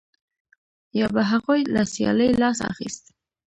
یا به هغوی له سیالۍ لاس اخیست